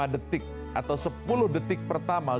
lima detik atau sepuluh detik pertama